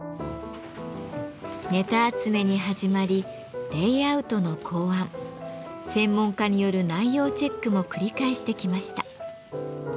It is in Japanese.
ネタ集めに始まりレイアウトの考案専門家による内容チェックも繰り返してきました。